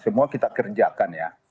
semua kita kerjakan ya